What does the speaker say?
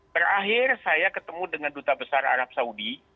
terakhir saya ketemu dengan duta besar arab saudi